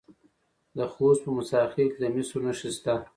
د خوست په موسی خیل کې د مسو نښې شته.